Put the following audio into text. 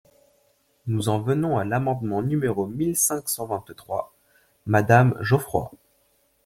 Nous en venons à l’amendement numéro mille cinq cent vingt-trois, madame Geoffroy.